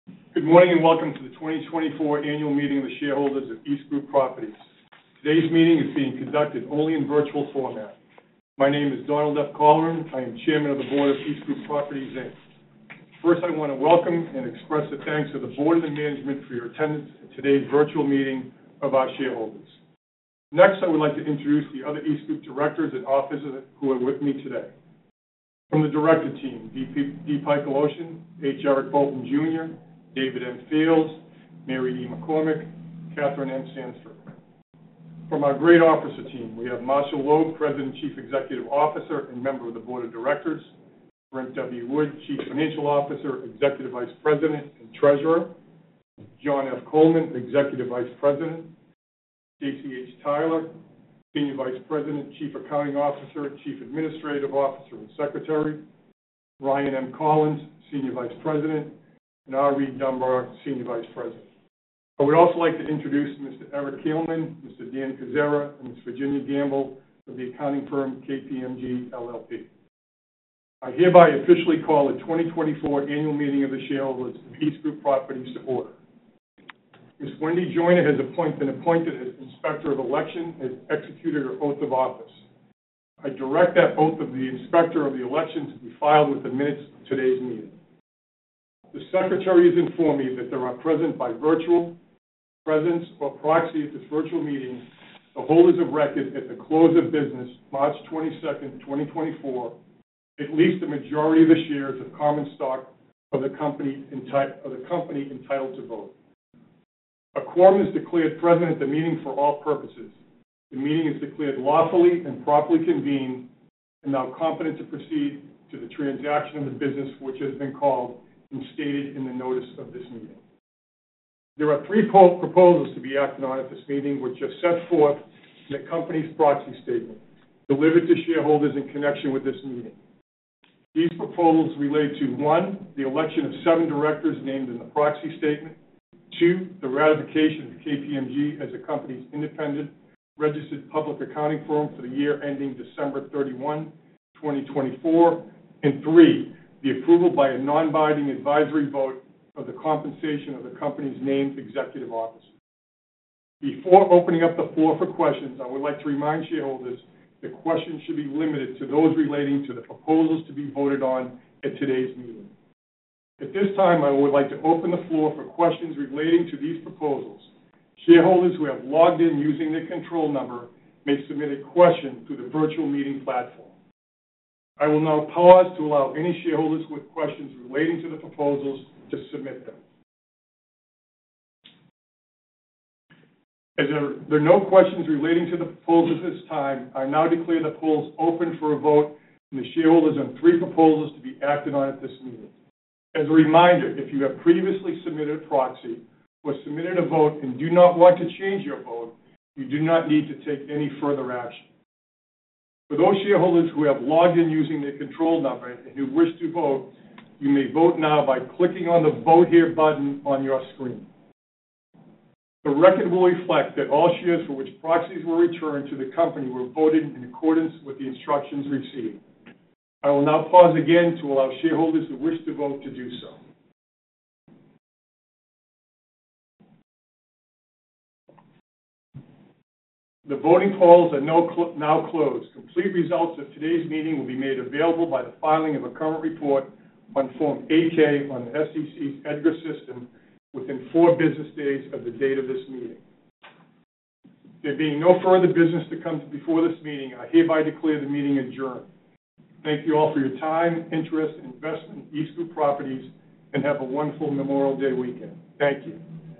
Good morning, and welcome to the 2024 Annual Meeting of the Shareholders of EastGroup Properties. Today's meeting is being conducted only in virtual format. My name is Donald F. Colleran. I am Chairman of the Board of EastGroup Properties, Inc. First, I wanna welcome and express our thanks to the board and management for your attendance at today's virtual meeting of our shareholders. Next, I would like to introduce the other EastGroup directors and officers who are with me today. From the director team, D. Pike Aloian, H. Eric Bolton Jr., David M. Fields, Mary E. McCormick, Katherine M. Sandstrom. From our great officer team, we have Marshall Loeb, President and Chief Executive Officer, and member of the Board of Directors; Brent W. Wood, Chief Financial Officer, Executive Vice President, and Treasurer; John F. Coleman, Executive Vice President; Staci H. Tyler, Senior Vice President, Chief Accounting Officer, Chief Administrative Officer, and Secretary; Ryan M. Collins, Senior Vice President; and R. Reid Dunbar, Senior Vice President. I would also like to introduce Mr. Eric Kelemen, Mr. Dan Kucera, and Ms. Virginia Gamble of the accounting firm KPMG LLP. I hereby officially call the 2024 Annual Meeting of the Shareholders of EastGroup Properties to order. Ms. Wendy Joyner has been appointed as Inspector of Election and executed her oath of office. I direct that oath of the Inspector of the Election to be filed with the minutes of today's meeting. The Secretary has informed me that there are present by virtual presence or proxy at this virtual meeting, the holders of record at the close of business, March 22, 2024, at least the majority of the shares of common stock of the company entitled to vote. A quorum is declared present at the meeting for all purposes. The meeting is declared lawfully and properly convened, and now competent to proceed to the transaction of the business, which has been called and stated in the notice of this meeting. There are 3 proposals to be acted on at this meeting, which are set forth in the company's Proxy Statement, delivered to shareholders in connection with this meeting. These proposals relate to, 1, the election of 7 directors named in the proxy statement. 2, the ratification of KPMG as the company's independent registered public accounting firm for the year ending December 31, 2024. And 3, the approval by a non-binding advisory vote of the compensation of the company's named executive officers. Before opening up the floor for questions, I would like to remind shareholders that questions should be limited to those relating to the proposals to be voted on at today's meeting. At this time, I would like to open the floor for questions relating to these proposals. Shareholders who have logged in using their control number may submit a question through the virtual meeting platform. I will now pause to allow any shareholders with questions relating to the proposals to submit them. As there are no questions relating to the proposals at this time, I now declare the polls open for a vote from the shareholders on three proposals to be acted on at this meeting. As a reminder, if you have previously submitted a proxy or submitted a vote and do not want to change your vote, you do not need to take any further action. For those shareholders who have logged in using their control number, and who wish to vote, you may vote now by clicking on the Vote Here button on your screen. The record will reflect that all shares for which proxies were returned to the company were voted in accordance with the instructions received. I will now pause again to allow shareholders who wish to vote to do so. The voting polls are now closed. Complete results of today's meeting will be made available by the filing of a current report on Form 8-K on the SEC EDGAR system within four business days of the date of this meeting. There being no further business to come before this meeting, I hereby declare the meeting adjourned. Thank you all for your time, interest, and investment in EastGroup Properties, and have a wonderful Memorial Day weekend. Thank you.